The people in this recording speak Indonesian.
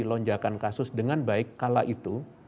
lonjakan kasus dengan baik kala itu